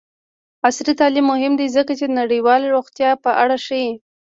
عصري تعلیم مهم دی ځکه چې د نړیوالې روغتیا په اړه ښيي.